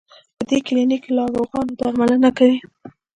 په دې کلینک کې د ناروغانو درملنه کوي.